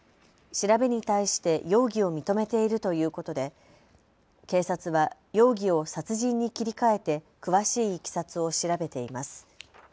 調べに対して容疑を認めているということで警察は容疑を殺人に切り替えて詳しいいきさつを調べています。